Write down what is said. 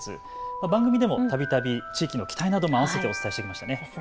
番組でもたびたび地域の期待なども合わせてお伝えしてきましたね。